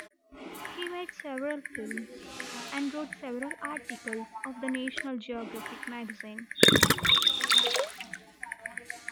He made several films, and wrote several articles for the National Geographic Magazine.